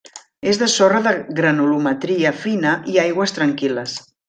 És de sorra de granulometria fina i aigües tranquil·les.